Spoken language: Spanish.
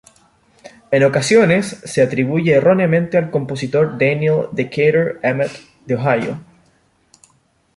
En ocasiones se atribuye erróneamente al compositor Daniel Decatur Emmett de Ohio.